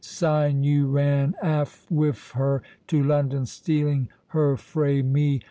Syne you ran aff wi' her to London, stealing her frae me.